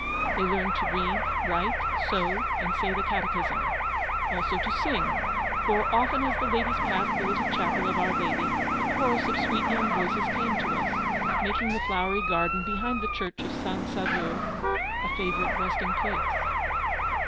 They learned to read, write, sew, and say the catechism. Also to sing; for, often as the ladies passed the little chapel of Our Lady, a chorus of sweet young voices came to us, making the flowery garden behind the church of St. Sauveur a favourite resting place.